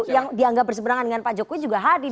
yang dianggap berseberangan dengan pak jokowi juga hadir